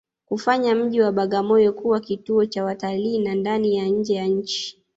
kuufanya mji wa Bagamoyo kuwa kituo cha watalii wa ndani na nje ya nchini